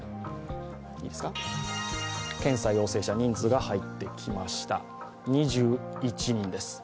検査陽性者、人数が入ってきました、２１人です。